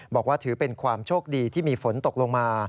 บอกว่าถือเป็นความโชคดีที่มีฝนตกลงมา